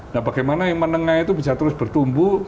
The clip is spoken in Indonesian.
nah bagaimana yang menengah itu bisa terus bertumbuh